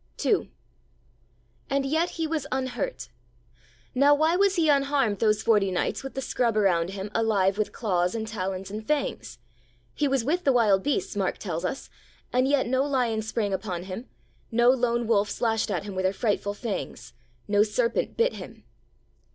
II And yet He was unhurt! Now why was He unharmed those forty nights with the scrub around Him alive with claws and talons and fangs? He was with the wild beasts, Mark tells us, and yet no lion sprang upon Him; no lone wolf slashed at Him with her frightful fangs; no serpent bit Him.